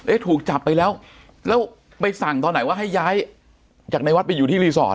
ถูกจับไปแล้วแล้วไปสั่งตอนไหนว่าให้ย้ายจากในวัดไปอยู่ที่รีสอร์ท